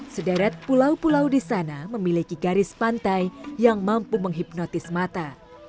sederet pulau pulau di sana memiliki garis pantai yang mampu menghipnotis mata